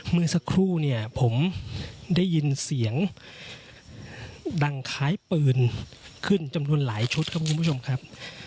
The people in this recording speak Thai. เมื่อสักครู่เนี่ยผมได้ยินเสียงดังคล้ายปืนขึ้นจำนวนหลายชุดครับคุณผู้ชมครับ